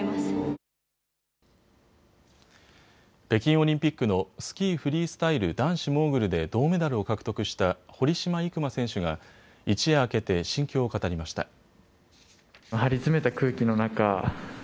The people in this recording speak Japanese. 北京オリンピックのスキーフリースタイル男子モーグルで銅メダルを獲得した堀島行真選手が一夜明けて心境を語りました。